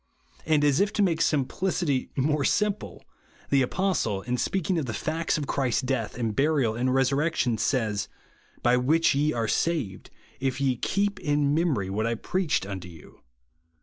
And as if to make simplicity more simple, the Apostle, in speaking of the facts of Christ's death, and burial, and resurrec tion, says, " By which ye are saved, if ye hee] ) in memory what I preached unto you," (1 Cor.